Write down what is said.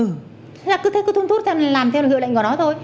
thế là cứ thế cứ thuốc thuốc làm theo hiệu lệnh của nó thôi